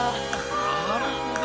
なるほど！